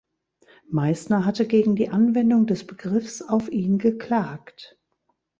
Meisner hatte gegen die Anwendung des Begriffs auf ihn geklagt.